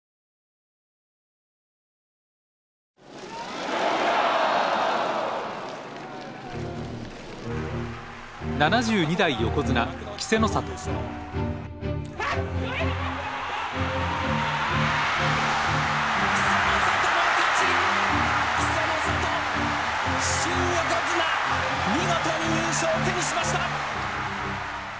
稀勢の里新横綱見事に優勝を手にしました！